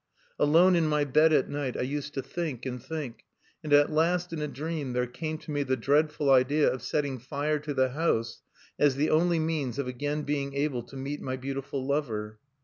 "Alone in my bed at night, I used to think and think, and at last in a dream there came to me the dreadful idea of setting fire to the house, as the only means of again being able to meet my beautiful lover.